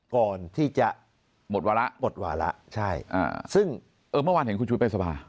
ก่อนที่จะหมดวาระหมดวาระใช่อ่าซึ่งเออเมื่อวานเห็นคุณชุวิตไปสภา